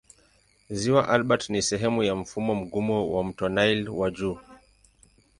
Ziwa Albert ni sehemu ya mfumo mgumu wa mto Nile wa juu.